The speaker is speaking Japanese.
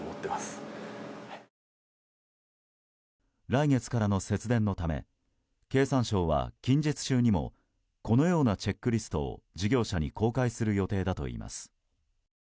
来月からの節電のため経産省は近日中にもこのようなチェックリストを事業者に公開する予定だといいます。